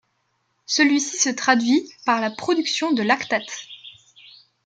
Celui-ci se traduit par la production de lactate.